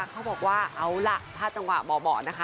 เขาบอกว่าเอาละถ้าจังงวัดหม่อนะคะ